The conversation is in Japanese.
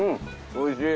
おいしい。